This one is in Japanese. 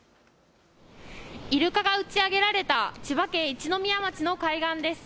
イルカが打ち上げられた千葉県一宮町の海岸です。